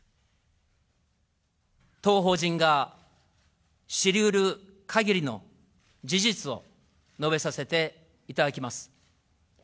当法人が知りうるかぎりの事実を述べさせていただきます。